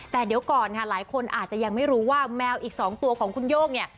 แต่เดี๋ยวก่อนค่ะหลายคนอาจจะยังไม่รู้ว่าแมวอีก๒ตัวของคุณโย่งเนี่ย